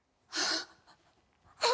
ああ！